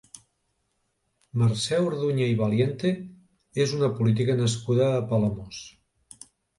Mercè Orduña i Valiente és una política nascuda a Palamós.